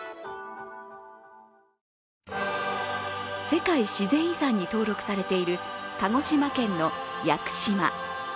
世界自然遺産に登録されている鹿児島県の屋久島。